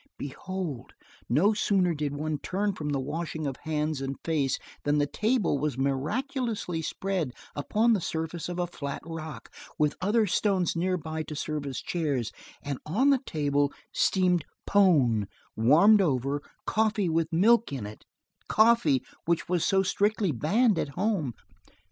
Behold! no sooner did one turn from the washing of hands and face than the table was miraculously spread upon the surface of a flat rock, with other stones nearby to serve as chairs; and on the table steamed "pone," warmed over; coffee with milk in it coffee, which was so strictly banned at home!